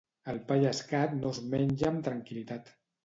El pa llescat no es menja amb tranquil·litat.